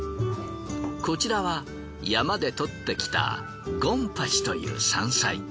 こちらは山でとってきたゴンパチという山菜。